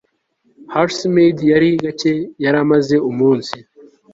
Herseemed yari gake yari amaze umunsi